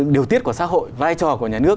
điều tiết của xã hội vai trò của nhà nước